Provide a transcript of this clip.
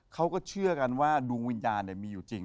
เขาก็เชื่อกันว่าดวงวิญญาณมีอยู่จริง